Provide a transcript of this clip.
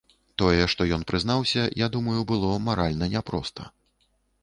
Тое, што ён прызнаўся, я думаю, было маральна няпроста.